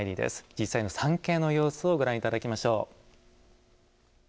実際の参詣の様子をご覧いただきましょう。